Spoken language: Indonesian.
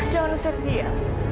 jangan usir dia